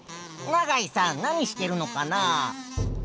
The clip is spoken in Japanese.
永井さん何してるのかな？